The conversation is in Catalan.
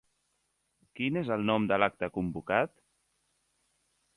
Quin és el nom de l'acte convocat?